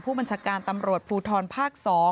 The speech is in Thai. ผู้บัญชาการตำรวจภูทรภาค๒